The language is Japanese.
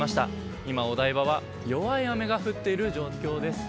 今、お台場は弱い雨が降っている状況です。